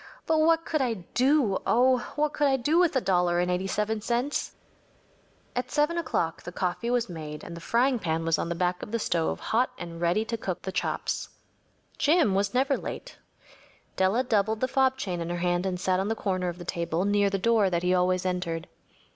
But what could I do‚ÄĒoh! what could I do with a dollar and eighty seven cents?‚ÄĚ At 7 o’clock the coffee was made and the frying pan was on the back of the stove hot and ready to cook the chops. Jim was never late. Della doubled the fob chain in her hand and sat on the corner of the table near the door that he always entered.